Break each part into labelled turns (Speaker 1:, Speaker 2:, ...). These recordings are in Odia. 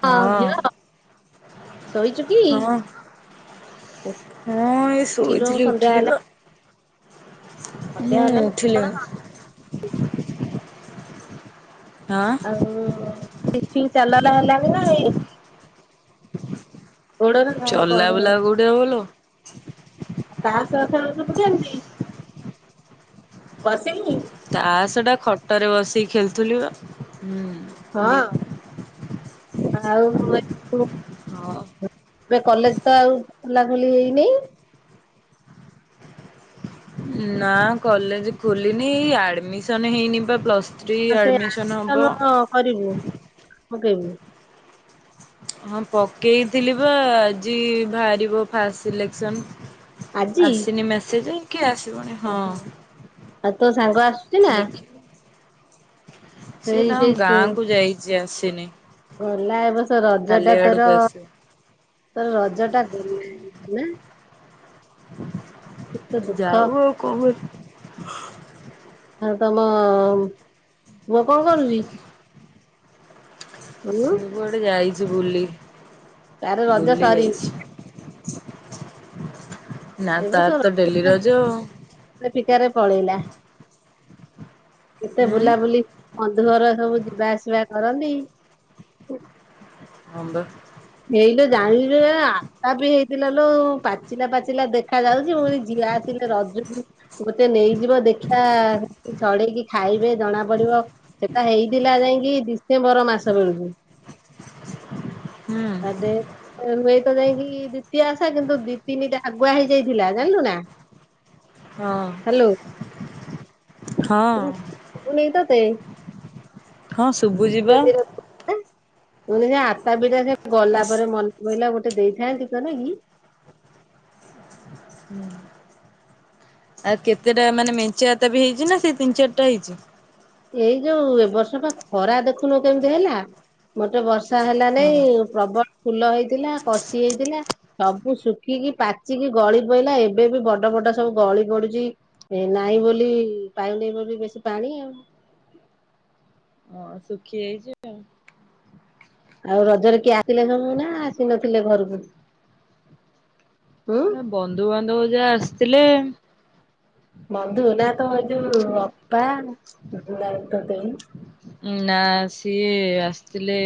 Speaker 1: ହଁ।
Speaker 2: ଶୋଇଛୁ କି?
Speaker 1: ହଁ ହଁ ଏଇ
Speaker 2: ଉଠିଲୁ ସନ୍ଧ୍ୟ ହେଲା। ସନ୍ଧ୍ୟା
Speaker 1: ହୁଁ
Speaker 2: ହେଲା
Speaker 1: ଉଠିଲି ବା। ହଁ
Speaker 2: ଆଉ ହୁଁ ମିଟିଗି ଚାଲଲା ହେଲାଣି ନା ଏଇ ଗୋଡରେ
Speaker 1: ଚଲା ବୁଲା କୋଉଠି ହବଲୋ।
Speaker 2: ତାସ ଖେଳ ଚପଟନ୍ତି ବସେଇନି [unintelligible]
Speaker 1: ତାସ ଟା ଖଟରେ ବସିକି ଖେଳୁଥିଲି ବା। ହୁଁ।
Speaker 2: ହଁ ଆଉ ଏ ଏବେ କଲେଜ ତ ଆଉ ଖୋଲା ଖୋଲି ହେଇନି।
Speaker 1: ନା କଲେଜ ଖୋଲିନି ଆଇ ଆଡ଼ମିସନ୍ ହେଇନି ବା ପ୍ଲସ୍ ଥ୍ରୀ
Speaker 2: ଆଉ ସେ
Speaker 1: ଆଡ଼ମିସନ୍ ହବ।
Speaker 2: ଅକ୍ଟର କରିବୁ ପକେଇବୁ
Speaker 1: ହଁ ପକେଇଥିଲି ବା ଆଜି ବାହାରିବ ଫାଷ୍ଟ ସିଲେକ୍ସନ।
Speaker 2: ଆଜି
Speaker 1: ଆସିନି ମେସେଜ କି ଆସିବଣି ହଁ
Speaker 2: ଓହୋ ଆଉ ତୋ ସାଙ୍ଗ ଆସୁଛି ନା
Speaker 1: ଦେଖିଆ। ସିଏ
Speaker 2: ସେଇ ସେଇ
Speaker 1: ତାଙ୍କ ଗାଁ କ ଯାଇଛି ଆସିନି।
Speaker 2: ଗଲା ଏ ବର୍ଷ ରଜ
Speaker 1: କାଲି
Speaker 2: ଟା
Speaker 1: ଆଡକୁ
Speaker 2: ତୋର
Speaker 1: ଆସିବ।
Speaker 2: ତୋର ରଜ ଟା ଗଲା ନା। କେତେ ଦୁଃଖ
Speaker 1: ଯାଉ ଆଉ କଣ କରିବ
Speaker 2: ଆଉ ତମ ପୁଅ କଣ କରୁଚି।
Speaker 1: ସେ କୁଆଡେ ଯାଇଛି ବୁଲି
Speaker 2: ତାର ରଜ
Speaker 1: ବୁଲି
Speaker 2: ସରିନି
Speaker 1: ଯାଇଛି। ନା ତାର ତ ଡେଲି ରଜ।
Speaker 2: ଏ ଫିକାରେ ପଳେଇଲା। କେତେ
Speaker 1: ହୁଁ
Speaker 2: ବୁଲାବୁଲି ବନ୍ଧୁ ଘର ସବୁ ଯିବା ଆସିବା କରନ୍ତି।
Speaker 1: ହଁ ପା।
Speaker 2: ହେଇଲୋ ଜାଣିିଲୁ ନାଆ ଆତାପି ହେଇଥିଲା ଲୋ ପାଚିଲା ପାଚିଲା ଦେଖା ଯାଉଛି ପୁଣି ଝିଅ ଆସ ଥିଲେ ରଜକୁ ଗୋଟେ ନେଇଯିବ ଦେଖିବା ଛଡେଇକି ଖାଇବେ ଜଣା ପଡିବ ସେଟା ହେଇଥିଲା ଯାଇକି ଡିସେମ୍ବର ମାସ ବେଳକୁ।
Speaker 1: ହୁଁ
Speaker 2: ଆଦେ ଆଉ ହୁଏତ ଯାଇକି ଦ୍ୱିତୀୟା ଓସା କିନ୍ତୁ ଦି ତିନିଟା ଆଗୁଆ ହେଇଯାଇଥିଲା। ଜାଣିଲୁ ନା।
Speaker 1: ହଁ
Speaker 2: ହ୍ୟାଲୋ,
Speaker 1: ହଁ
Speaker 2: କଣ ଶୁଭୁନେଇ ତତେ।
Speaker 1: ହଁ ଶୁଭୁଛି ପା।
Speaker 2: ଏଁ ମୁଁ କହିନି ସେ ଆତାପି ଟା ସେ ଗଲା
Speaker 1: ଆସ୍
Speaker 2: ପରେ ମନେ ପଇଲା, ଗୋଟେ ଦେଇଥାନ୍ତି ତୋ ନାଗି।
Speaker 1: ଆ କେତେଟା ମାନେ ମେଞ୍ଚେ ଅତାବି ହେଇଛି ନା ସେ ତିନି ଚାରିଟା ହେଇଛି।
Speaker 2: ଏଇ ଯୋଉ ଏ ବର୍ଷ ପା ଖରା ଦେଖୁନୁ କେମିତି ହେଲା, ମୋଟେ ବର୍ଷା ହେଲ
Speaker 1: ହଁ।
Speaker 2: ନାଇଁ ପ୍ରବଳ ଫୁଲ ହେଇଥିଲା, କଷି ହେଇଥିଲା। ସବୁ ଶୁଖିକି, ପାଚିକି ଗଳି ପଇଲା, ଏବେ ବି ବଡ ବଡ ସବୁ ଗଳି ପଡୁଛି। ଏ ନାଇଁ ବୋଲି ପାଇନେଇ ବୋଲି ବେଶୀ ପାଣି ଆଉ।
Speaker 1: ହଁ ଶୁଖି ଆଇଛି।
Speaker 2: ଆଉ ରଜରେ କିଏ ଆସିଲେ ସବୁ ନା ଆସି ନଥିଲେ ଘରକୁ, ହୁଁ।
Speaker 1: ବନ୍ଧୁବାନ୍ଧବ ଯା ଆସିଥିଲେ।
Speaker 2: ବନ୍ଧୁ ନା ତମର ଯୋଉ ଅପା ନା ତୋ ଦେଇ।
Speaker 1: ନା ସିଏ ଆସିଥିଲେ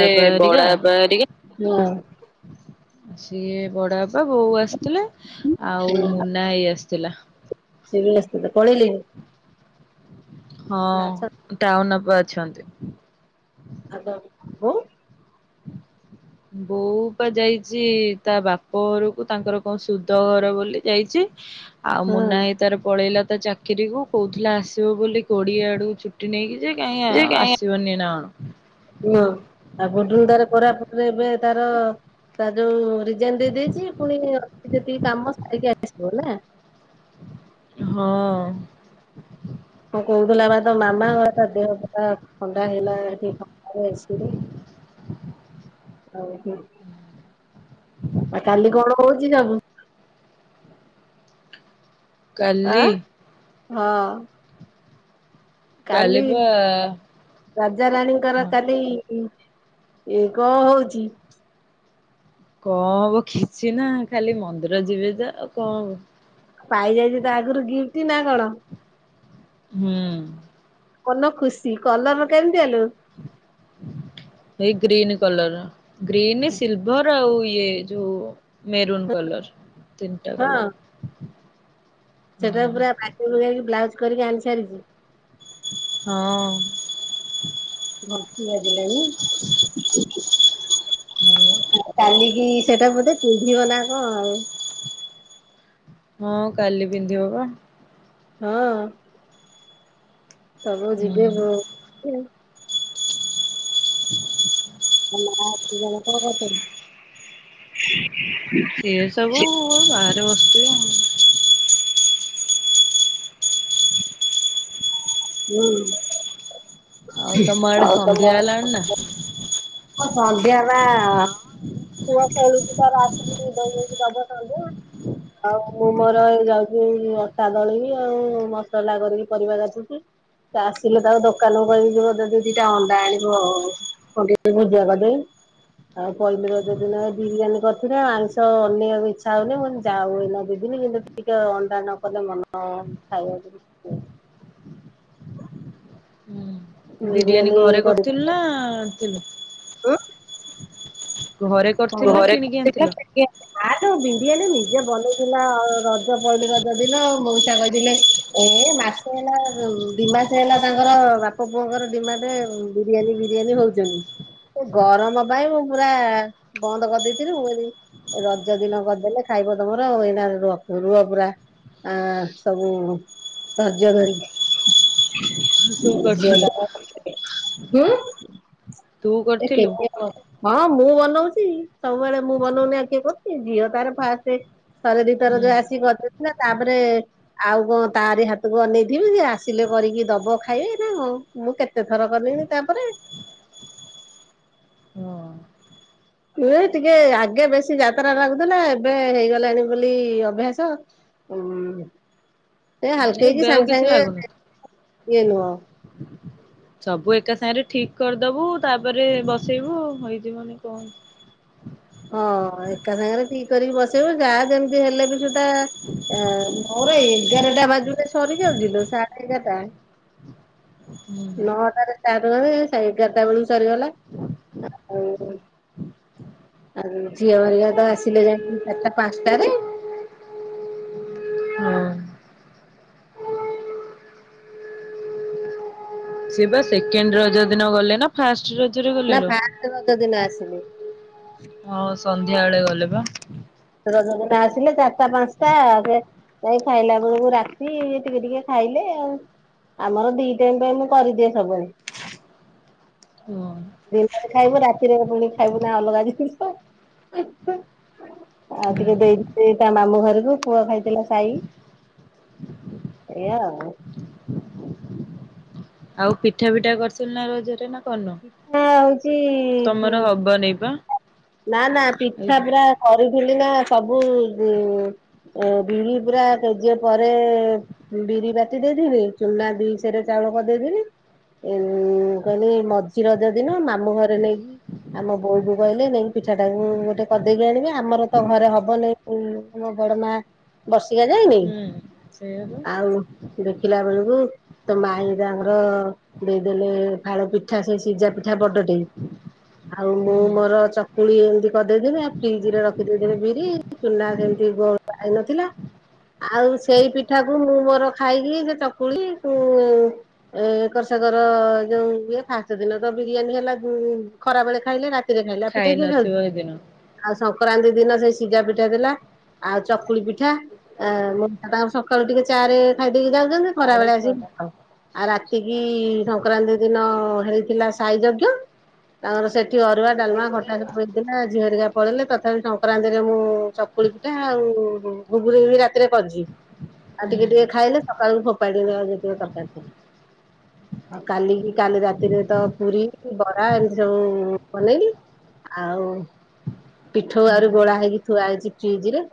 Speaker 2: ଲେ
Speaker 1: ହେରିକା
Speaker 2: ବଡବାପା ହେରୀକା, ହଁ।
Speaker 1: ସିଏ ବଡ ବାପା, ବୋଉ ଆସିଥିଲେ, ଆଉ
Speaker 2: ହଁ
Speaker 1: ମୁନା ଭାଇ ଆସିଥିଲା।
Speaker 2: ସେ ବି ଆସିଥିଲେ ପଳେଇଲେଣି। ନାଚ
Speaker 1: ହଁ। ଟାଉନ ଅପା ଅଛନ୍ତି।
Speaker 2: ଆଉ ତମ ବୋଉ।
Speaker 1: ବୋଉ ପା ଯାଇଛି ତା ବାପ ଘରକୁ। ତାଙ୍କର କଣ ସୁଧ ଘର ବୋଲି ଯାଇଚି। ଆଉ
Speaker 2: ହୁଁ।
Speaker 1: ମୁନା ଭାଇ ତାର ପଳେଇଲା ତା ଚାକିରିକୁ। କହୁଥିଲା ଆସିବ ବୋଲି କୋଡିଏ ଆଡକୁ ଛୁ ଛୁଟି ନେଇକି ଯେ, କାହିଁ ଆଉ ଆସିବନି ନା କଣ।
Speaker 2: ହଁ, ତା ପର ଠୁ ତାର କୋରାପୁଟରେ ଏବେ ତାର ତା ଯୋଉ ରିଜାଇନ ଦେଇ ଦେଇଛି ପୁଣି ଅଛି ଯେତିକି କାମ ସାରିକି ଆସିବ ନା।
Speaker 1: ହଁ।
Speaker 2: ହଁ କହୁଥିଲା ବା ତ ମାମା ତା ଦେହ ପୁରା ଥଣ୍ଡା ହେଲା, ଏଠି ଥଣ୍ଡାରେ ଏସିରେ।
Speaker 1: [inaudible]
Speaker 2: ଆଉ କାଲି କଣ ହଉଛି ସବୁ?
Speaker 1: କାଲି?
Speaker 2: ଆଁ ହଁ। କାଲି ରାଜାରାଣୀଙ୍କର
Speaker 1: ହଁ
Speaker 2: କାଲି ଏ କଣ ହଉଛି?
Speaker 1: କଣ ହବ କିଛି ନା। ଖାଲି ମନ୍ଦିର ଯିବେ ଯା। ଆଉ କଣ ହବ?
Speaker 2: ପାଇଯାଇଛି ତ ଆଗରୁ ଗିଫ୍ଟ ନା କଣ?
Speaker 1: ହୁଁ।
Speaker 2: ମନ ଖୁସି। କଲର କେମିତିଆ ଲୋ?
Speaker 1: [inaudible] ହେଇ ଗ୍ରୀନ କଲରର। ଗ୍ରୀନ, ସିଲଭର, ଆଉ ଇଏ ଯୋଉ ମେରୁନ୍ କଲର। ତିନିଟା
Speaker 2: ହଁ
Speaker 1: କଲର।
Speaker 2: ସେଟା
Speaker 1: ହଁ
Speaker 2: ପୁରା ପ୍ୟାକିଂ କରିକି, ବ୍ଲାଉଜ କରିକି ଆଣି ସାରିଛି?
Speaker 1: ହଁ।
Speaker 2: ଘଣ୍ଟି ବାଜିଲାଣି।
Speaker 1: ହଁ
Speaker 2: କାଲିକି ସେଟା ବୋଧେ ପିନ୍ଧିବ ନା କଣ ଆଉ?
Speaker 1: ହଁ କାଲି ପିନ୍ଧିବ ବା।
Speaker 2: ହଁ। ସବୁ
Speaker 1: ହୁଁ।
Speaker 2: ଯିବେ ବୋଧେ।
Speaker 1: [inaudible]
Speaker 2: [unintelligible]
Speaker 1: ସିଏ ସବୁ ଗାଁରେ ବସିଥିବେ ଆଉ।
Speaker 2: ହୁଁ।
Speaker 1: ଆଉ ତମ ଆଡ଼େ
Speaker 2: ଆଉ
Speaker 1: ସନ୍ଧ୍ୟା ହେଲାଣି ନା?
Speaker 2: ହଁ ସଂଧ୍ୟା ପା ପୁଅ ଖେଳୁଛି ତାର ଆସିକି ଧୋଇ ହେଇକି ଦବ ସଂଧ୍ୟା। ଆଉ ମୁଁ ମୋର ଏଇ ଯାଉଛି ଅଟା ଦଳିବି ଆଉ ମସଲା କରିବି ପରିବା କାଟୁଛି। ସିଏ ଆସିଲେ ତାକୁ ଦୋକାନକୁ କହିବି ଯିବ ଯଦି ଦିଟା ଅଣ୍ଡା ଆଣିବ କଣ ଭୁଜିଆ କରିଦେବି। ଆଉ ପହିଲ ରଜ ଦିନ ବିରିୟାନୀ କରିଥିଲେ। ଆଇଁଷ ଅନେଇ ବାକୁ ଇଚ୍ଛା ହଉନି। ମୁଁ କହିଲି ଯାଉ ଏଇନା ଦି ଦିନ କିନ୍ତୁ ଟିକେ ଅଣ୍ଡା ନ କଲେ ମନ ଖାଇବାକୁ
Speaker 1: ବିରିୟାନୀ ଘରେ କରିଥିଲୁ ନା ଆଣିଥିଲୁ?
Speaker 2: ହୁଁ?
Speaker 1: ଘରେ କରିଥିଲୁ ନା
Speaker 2: ଘରେ।
Speaker 1: କିଣିକି ଆଣିଥିଲ?
Speaker 2: [unintelligible] ବିଣ୍ଡିଆନୀ ନିଜେ ବନେଇଥିଲା ରଜ ପହିଲି ରଜ ଦିନ ମଉସା କହିଥିଲେ ଏ ମା ହେଲା ଦିମାସେ ହେଲା ତାଙ୍କର ବାପ ପୁଅଙ୍କର ଡିମାଟ ବିରିୟାନୀ ବିରିୟାନୀ ହଉଛନ୍ତି। ଗରମ ପାଇଁ ମୁଁ ପୁରା ବନ୍ଦ କରିଦେଇଥିଲି। ମୁଁ କହିଲି ରଜ ଦିନ କରିଦେଲେ ଖାଇବ ତମର ଏଇନା ରୁହ ପୁରା ଆ ସବୁ ଧୈର୍ଯ୍ୟ ଧରିକି।
Speaker 1: ତୁ କରିଥିଲୁ
Speaker 2: ହୁଁ?
Speaker 1: ତୁ କରିଥିଲୁ?
Speaker 2: ହଁ ମୁଁ ବନଉଛି। ସବୁବେଳେ ମୁଁ ବନଉନି ଆଉ କିଏ କରୁଛି? ଝିଅ ତାର ଫାଷ୍ଟ ଥରେ ଦି ଥର ଯୋଉ
Speaker 1: ହୁଁ
Speaker 2: ଆସିକି କରି ଦେଇ ଥିଲା ତାପରେ ଆଉ କଣ ତାରି ହାତକୁ ଅନେଇଥିବି, ସେ ଆସିଲେ କରିକି ଦବ ଖାଇବେ ନା କଣ? ମୁଁ କେତେ ଥର କଲିଣି ତାପରେ।
Speaker 1: ହଁ।
Speaker 2: ଏଇ ଟିକେ ଆଗେ ବେଶୀ ଯାତ୍ରା ଲାଗୁଥିଲା, ଏବେ ହେଇଗଲାଣି ବୋଲି ଅଭ୍ୟାସ ହୁଁ ସେ ହାଲକା
Speaker 1: ଏବେ
Speaker 2: କି
Speaker 1: ଆଉ
Speaker 2: ସାଙ୍ଗେ
Speaker 1: କିଛି
Speaker 2: ସାଙ୍ଗେ
Speaker 1: ଲାଗୁନଥିବ
Speaker 2: [unintelligible] ଇଏ ନୁହଁ।
Speaker 1: [inaudible] ସବୁ ଏକା ସାଙ୍ଗରେ ଠିକ କରିଦବୁ ତାପରେ ବସେଇବୁ ଆଉ ହେଇଯିବନି କଣ ହେଇ
Speaker 2: ହଁ ଏକା ସାଙ୍ଗରେ ଠିକ କରିକି ବସେଇବୁ ଯାହା ଯେମିତି ହେଲେବି ସୁ ଧା ଏ ମୋର ଏଗାରଟା ବାଜୁନି ସରି ଯାଉଚି ଲୋ ସାଢେ ଏଗାରଟା।
Speaker 1: ହୁଁ
Speaker 2: ନଅଟାରେ ସ୍ଟାଟ କଲି ଏଗାରଟା ବେଳକୁ ସରିଗଲା। ଆଉ ଉଁ ଝିଅ ହେରିକା ତ ଆସିଲେ ଯାଇକି ଚାରିଟା ପାଁସଟାରେ।
Speaker 1: ହଁ। ସିଏ ବା ସେକେଣ୍ଡ ରଜ ଦିନ ଗଲେ ନା ଫାଷ୍ଟ ରଜରେ ଗଲେ ଲୋ?
Speaker 2: ଷ୍ଟ ରଜ ଦିନ ଆସିଲେ।
Speaker 1: ହଁ ସନ୍ଧ୍ୟା ଏଳେ ଗଲେ ବା।
Speaker 2: ରଜ ଦିନ ଆସିଲେ ଚାରଟା ପାଁଶଟା ଯାଇ ଖାଇଲା ବେଳକୁ ରାତି ଟିକେ ଟିକେ ଖାଇଲେ ଆଉ। ଆମର ଦି ଟାଇମ୍ ପାଇଁ ମୁଁ କରିଦିଏ ସବୁବେଳେ।
Speaker 1: ହୁଁ
Speaker 2: ଦିପରେ ଖାଇବୁ ରାତିରେ ପୁଣି ଖାଇବୁ ନା ଅଲଗା ଜିନିଷ। ହିଁ ହଁ ଆଉ
Speaker 1: ହୁଁ
Speaker 2: ଟିକେ ଦେଖିଥିଲି ତା ମାମୁଁ ଘରକୁ ପୁଅ ଖାଇଥିଲା। ସାଇ ଏୟା ଆଉ
Speaker 1: ଆଉ ପିଠା ପିଠା କରିଥିଲୁ ନା ରଜରେ ନା କରିନୁ?
Speaker 2: ପିଠା ହଉଛି
Speaker 1: ତମର ହବନେଇ ବା।
Speaker 2: ନା ନା ପିଠା ପରା କରିଥିଲି ନା ସବୁ ବିରି ପୁରା କେଜିଏ ପରେ ବିରି ବାଟି ଦେଇଥିବି ଚୁନା ଦି ସେରେ ଚାଉଳ କରିଦେଇଥିଲି। ଏ ମୁଁ କହିଲି ମଝି ରଜ ଦିନ ମାମୁ ଘରେ ନେଇକି ଆମ ବୋଉ କୁ କହିଲେ ନେଇକ ପିଠା ଟାକୁ ଗୋଟେ କରିଦେଇକି ଆଣିବେ ଆମର ତ ଘରେ ହବନେଇ ମୋ ବଡ ମା ବର୍ଷିକିଆ ଯାଇନି।
Speaker 1: ହୁଁ ସେଇଆ ପା
Speaker 2: ଆଉ ଦେଖିଲା ବେଳକୁ ତ ମାଇ ତାଙ୍କର ଦେଇଦେଲେ ଫାଳେ ପିଠା ସେଇ ସିଝା ପିଠା ବଡ ଟେ ଆଉ ମୁଁ
Speaker 1: ହୁଁ।
Speaker 2: ମୋର ଚ କୁଳି ଏମିତି କରିଦେଇଦେଇଥିନି ଆଉ ଫ୍ରିଜ ରେ ରଖିଦେଇଦେଇଥିନି ବିରି ଚୁନା ଯେମିତି ଗୋଳା ହେଇନଥିଲା। ପି ଆଉ ସେଇ ପିଠା କୁ ମୁଁ ମୋର ଖାଇକି ସେ ଚକୁଳି କୁ ଏକର ସେକର ଯୋଉ ଇଏ ଫାଷ୍ଟ ଦିନ ତ ବିରିୟାନୀ ହେଲା ଉଁ ଖରାବେଳେ ଖାଇଲେ ରାତିରେ ଖାଇଲେ ଆଉ
Speaker 1: ଖାଇ ନଥିବ ହେଦିନ
Speaker 2: ଆଉ ସଂକ୍ରାନ୍ତି ଦିନ ସେଇ ସିଝା ପିଠା ଥିଲା। ଆଉ ଚକୁଳି ପିଠା ଏ ମୋଉସା ତାଙ୍କର ସକାଳୁ ଟିକେ ଚାରେ ଖାଇଦେଇକି ଯାଉ ନ୍ତି
Speaker 1: ସାଢେ
Speaker 2: ଖରାବେଳେ ଆସିକି
Speaker 1: ଛଅଟା
Speaker 2: [inaudible] ଆଉ ରାତିକି ସଂକ୍ରାନ୍ତି ଦିନ ହେଇଥିଲା ସାଇ ଯଜ୍ଞ। ତାଙ୍କର ସେଠି ଅରୁଆ, ଡାଲମା, ଖଟ ସେଇଟା ଝିଅହରିକା ପଳେଇଲେ ତଥାପି ସଂକ୍ରାନ୍ତିରେ ମୁଁ ଚକୁଳି ପିଠା ଆଉ ଘୁଗୁନିକୁ ବି ରାତିରେ କରିଚି ‌। ଆଉ
Speaker 1: ହୁଁ
Speaker 2: ଟିକେ ଟିକେ ଖାଇଲେ ସକାଳୁ ଫୋପାଡିନି ଆଉ ଯେତିକ ତରକାରି ଥିଲା। ଆଉ କାଲିକି କାଲି ରାତିରେ ତ ପୁରୀ, ବରା ଏମିତି ସବୁ ବନେଇଲି। ଆଉ ପିଠୋଉ ଆହୁରି ଗୋଳା ହେଇକି ଥୁଆ ହେଇଛି ଫ୍ରିଜ ରେ।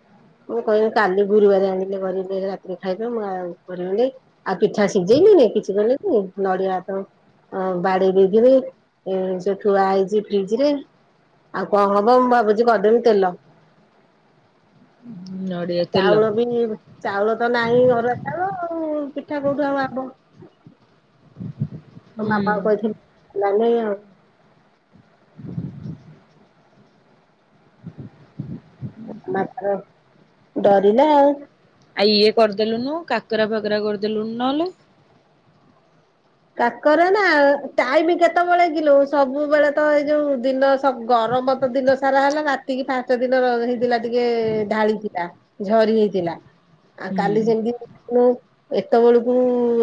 Speaker 2: ମୁଁ କହିଲି କାଲି ଗୁରୁବାର ଆଣିଲେ କରିକି ରାତିରେ ଖାଇଦବୁ ମୁଁ ଆଉ କରିବିନେଇ। ଆଉ ପିଠା ସିଖଜଇଲି କିଛି କଲିନି ନଡିଆ ତ ଅ ବାଡି ବାଡେଇ ଦେଇଥିବି ଏଁ ସେ ଥୁଆ ହେଇଚି ଫ୍ରିଜ ରେ। ଆଉ କଣ ହବ ମୁଁ ଭା ଯାଉଚି କରିଦେବି ତେଲ।
Speaker 1: ନଡିଆ ତେଲ
Speaker 2: ଚାଉଳ ବି ଚାଉଳ ତ ନାହିଁ ଅରୁଆ ଚାଉଳ ଆଉ ପିଠା କୋଉଠୁ ହବ ଆଉ ଆମ୍ବ ତୋ
Speaker 1: ହୁଁ।
Speaker 2: ମାମାକୁ କହିଥିଲି ଲାନି ଆଉ। ମା ତାର ଡରିଲା ଆଉ।
Speaker 1: ଆ ଇଏ କରିଦେଲୁନୁ କାକରା ଫାକରା କରିଦେଲୁନୁ ନହେଲେ।
Speaker 2: କାକରା ନା ଟାଇମ କେତେବେଳେ କିଲୋ ସବୁବେଳେ ତ ଏଇ ଯୋଉ ଦିନ ସବୁ ଗରମ ତ ତ ଦିନ ସାରା ହେଲା ରାତିକି ପାଞ୍ଚ ଦିନ ହେଇଥିଲା ଟିକେ ଢାଳିଥିଲା। ଝରି ହେଇଥିଲା। ଆଉ
Speaker 1: ହୁଁ।
Speaker 2: କାଲି ସେମିତି [unintelligible] ଏତବେଳକୁ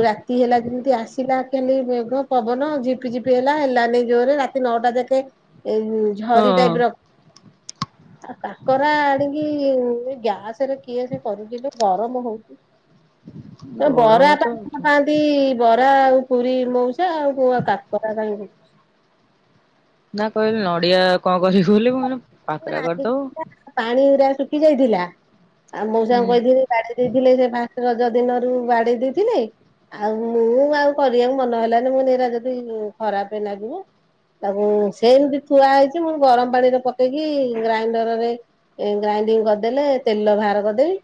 Speaker 2: ରାତି ହେଲା ଯେମିତି ଆସ ଥିଲା ଖାଲି ମେଘ ପବନ ଝିପି ଝିପି ହେଲା ହେଲାନି ଜୋରରେ ରାତି ନଅଟା ଯାକେ ଏଇ ଝରି ଟାଇପ୍ ର
Speaker 1: [inaudible]
Speaker 2: ଆଉ କାକରା ଆଣିକି ଗ୍ୟାସ ରେ କିଏ ସେ କରୁଛି ଯଉ ଗରମ ହଉଛି।
Speaker 1: [inaudible]
Speaker 2: ଏ
Speaker 1: ଗରମ
Speaker 2: ବରା ପା
Speaker 1: ତ
Speaker 2: [unintelligible] ପାଆନ୍ତି ବରା ଆଉ ପୁରୀ ମଉସା ଆଉ କାକରା ତାଙ୍କୁ
Speaker 1: ନା କହିଲୁ ନଡିଆ କଣ କରିବୁ ବୋଲି ମୁଁ କାକରା କରିଦବୁ
Speaker 2: [unintelligible] ପାଣି ଉରା ଶୁଖି ଯାଇଥିଲା। ଆଉ
Speaker 1: ହୁଁ।
Speaker 2: ମଉସାଙ୍କୁ କହିଥିଲି ବାଡେଇ ଦେଇଥିଲେ ସେ ଫାଷ୍ଟ ରଜ ଦିନରୁ ବାଡେଇ ଦେଇଥିଲେ। ଆଉ ମୁଁ ଆଉ କରିବାକୁ ମନ ହେଲାନି ମୁଁ କହିନି ଏରା ଯଦି ଖରାପେ ଲାଗିବ। ତାକୁ ସେମିତି ଥୁଆ ହେଇଛି ମୁଁ ଗରମ ପାଣି ରେ ପ କରିଦେଇକି ଗ୍ରାଇଣ୍ଡର ରେ ଏ ଗ୍ରାଇଣ୍ଡିଙ୍ଗ କରିଦେଲେ ତେଲ ବାହାର କରିଦେବି।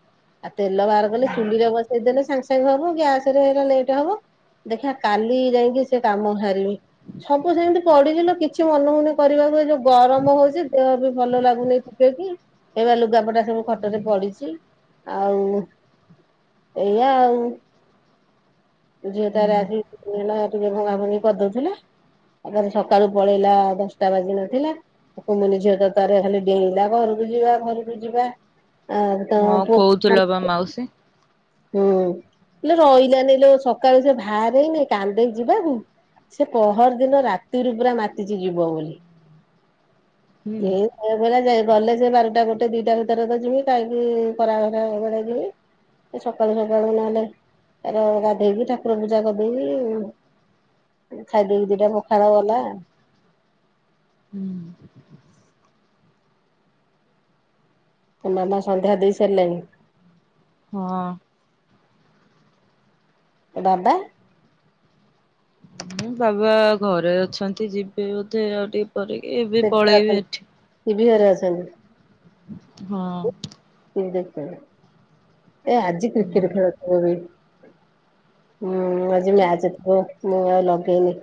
Speaker 2: ଆଉ ତେଲ ବାହାର କଲେ ଚୁଲିରେ ବସେଇଦେଲେ ସାଙ୍ଗେ ସାଙ୍ଗେ ହବ ଗ୍ୟାସ ରେ ହେରା ଲେଟେ ହବ। ଦେଖିଆ କାଲି ଯାଇକି ସେ କାମ ହାରିବି। ସବୁ ସେମିତି ପଡିଛି ଲୋ କିଛି ମନହଉନି କରିବାକୁ ଏ ଯୋଉ ଗରମ ହଉଛି ଦେହ ବି ଭଲ ଲାଗୁନି ଟିକେ କିି ଏଇ ପା ଲୁଗାପଟା ସବୁ ଖଟରେ ପଡିଛି। ଆଉ ଏଇଆ ଆଉ। ଝିଅ
Speaker 1: ହୁଁ
Speaker 2: ତାର ଆଜି ପଳେଇଲା ଟିକେ ଭଙ୍ଗା ଭୁଙ୍ଗି କରିଦଉଥିଲା। ଆଉ ତାର ସକାଳୁ ପଳେଇଲା ଦଶଟା ବାଜି ନଥିଲା। କୁନୁଲି ଝିଅ ତ ତାର ଖାଲି ଡେଇଁଲା ଘରକୁ ଯିବା ଘରକୁ ଯିବା। ଆ ତ
Speaker 1: ହଁ
Speaker 2: ପୁଅ
Speaker 1: କହୁଥିଲା ବା ମାଉସୀ।
Speaker 2: ହୁଁ ଇଲୋ ରହିଲାନି ଲୋ ସକାଳୁ ସେ ଭାରେଇନି କାନ୍ଦେଇ ଯିବାକୁ ସେ ପହରି ଦିନ ରାତିରୁ ପୁରା ମାତିଛି ଯିବ ବୋଲି
Speaker 1: [inaudible]
Speaker 2: ଏ କହୁଥିଲା ଯେ ଗଲେ ଯେ ବାରଟା ଗୋଟେ ଦିଟା ଭିତରେ ତ ଯିବି କାହିଁକି ଖରା ହେରା ବେଳେ ଯିବି। ଏ ସକାଳୁ ସକାଳୁ ନହେଲେ ତାର ଗାଧେଇକି ଠାକୁର ପୂଜା କରିଦେଇକି ଉଁ ଖାଇଦେଇକି ଦିଟା ପଖାଳ ଗଲା।
Speaker 1: ହୁଁ।
Speaker 2: ଆଉ ମାମା ସନ୍ଧ୍ୟା ଦେଇ ସାରିଲାଣି?
Speaker 1: ହଁ।
Speaker 2: ଆଉ ବାବା?
Speaker 1: ହୁଁ ବାବା ଘରେ ଅଛନ୍ତି ଯିବେ ବୋଧେ ଆଉ ଟିକେ ପରେ କି ଏବେ
Speaker 2: ସେଠି ଅଛନ୍ତି।
Speaker 1: ପଳେଇବେ ଏଠି
Speaker 2: ଟିଭି ଘରେ ଅଛନ୍ତି।
Speaker 1: ହଁ।
Speaker 2: ଟିଭି ଦେଖୁଚନ୍ତି ଏ ଆଜି କ୍ରିକେଟ୍ ଖେଳଥିବ ବି। ହୁଁ ଆଜି ମ୍ୟାଚ୍ ଥିବ ମୁଁ ଆଉ ଲଗେଇନି।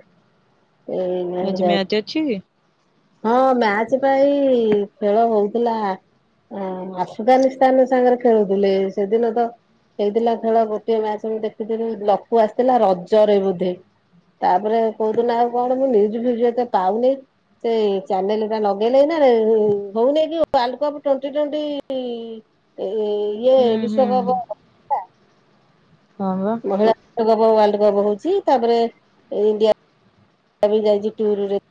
Speaker 2: ଏଇ
Speaker 1: ଆଜି
Speaker 2: ଯାଉ
Speaker 1: ମ୍ୟାଚ୍ ଅଛି କି?
Speaker 2: ହଁ ମ୍ୟାଚ୍ ପା ଏଇ ଖେଳ ହଉଥିଲା ଅଁ ଆଫଗାନିସ୍ଥାନ ସାଙ୍ଗରେ ଖେଳୁଥିଲେ ସେଦିନ ତ ହେଇଥିଲା ଖେଳ ଗୋଟିଏ ମ୍ୟାଚ୍ ମୁଁ ଦେଖିଥିଲି ଲକୁ ଆସିଥିଲା ରଜରେ ବୋଧେ। ତାପରେ କୋଉଦିନ ଆଉ କଣ ମୁଁ ନିଉଜ୍ ଫିଉଜ୍ ଏତେ ପାଉନି। ସେ ଚ୍ୟାନେଟା ଲଗେଇଲେ ଏଇ ନା ରେ ହଉ ନେଇକିଲୋ ୱାଲକପ୍ ଟ୍ଵେଣ୍ଟି ଟ୍ଵେଣ୍ଟି। ଏ ଇଏ
Speaker 1: ହୁଁ ହୁଁ
Speaker 2: ବିଶ୍ଵକପ
Speaker 1: ହଁ ବା।
Speaker 2: ହେଇପା ୱାଲଡ କପ୍ ୱାଲଡ କପ୍ ହଉଛି ତାପରେ ଇଣ୍ଡିଆ ବି ଯାଇଛି ଟୁର୍ ରେ